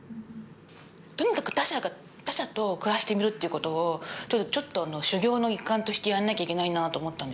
とにかく他者と暮らしてみるっていうことをちょっと修行の一環としてやらなきゃいけないなと思ったんですけど。